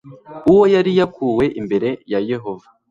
uwo yari yakuwe imbere ya yehova